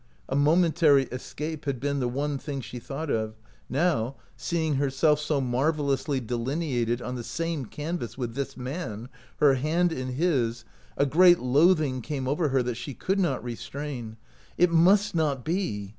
A momentary escape had been the one thing she thought of ; now, seeing OUr OF BOHEMIA herself so marvelously delineated on the same canvas with this man, her hand in his, a great loathing came over her that she could not restrain. "It must not be!